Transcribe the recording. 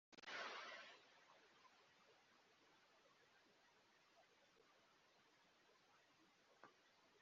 Ariko nanone mu byabagaruye uyu mwaka iyi kipe yabigizemo uruhare aho yatangiye ifite abakinyi bakomeye